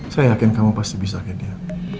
saya yakin kamu pasti bisa kayak dia